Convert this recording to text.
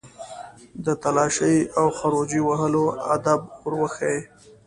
د تالاشۍ او خروجي وهلو آداب ور وښيي.